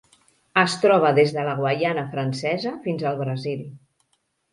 Es troba des de la Guaiana Francesa fins al Brasil.